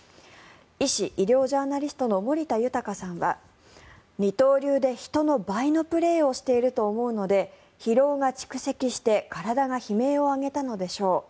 医師・医療ジャーナリストの森田豊さんは二刀流で人の倍のプレーをしていると思うので疲労が蓄積して体が悲鳴を上げたのでしょう